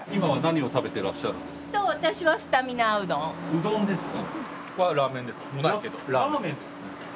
うどんですか。